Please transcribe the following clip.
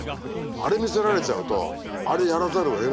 あれ見せられちゃうとあれやらざるをえないもう。